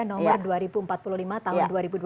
nomor dua ribu empat puluh lima tahun dua ribu dua puluh